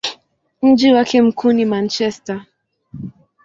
Mji wake mkuu ni Manchester.